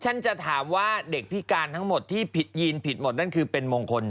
ฉันจะถามว่าเด็กพิการทั้งหมดที่ผิดยีนผิดหมดนั่นคือเป็นมงคล